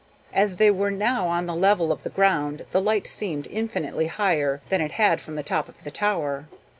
As they were now on the level of the ground, the light seemed infinitely higher than it had from the top of the tower.